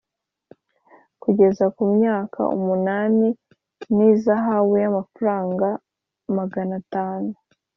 kugeza ku myaka umunani n ihazabu y amafaranga Maganatanu